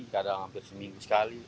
kadang hampir seminggu sekali